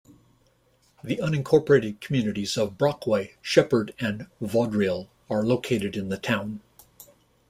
The unincorporated communities of Brockway, Sheppard, and Vaudreuil are located in the town.